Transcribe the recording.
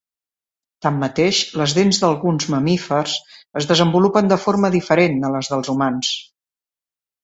Tanmateix, les dents d'alguns mamífers es desenvolupen de forma diferent a les dels humans.